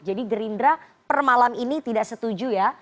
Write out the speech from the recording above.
jadi gerindra per malam ini tidak setuju ya